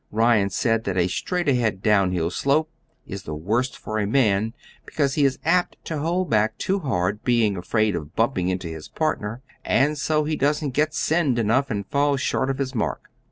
Ryan said that a straight ahead downhill slope is the worst for a man, because he is apt to hold back too hard, being afraid of bumping into his partner, and so he doesn't get send enough, and falls short of his mark.